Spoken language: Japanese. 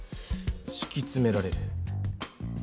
しきつめられる。